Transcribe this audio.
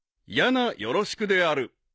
［やなよろしくである］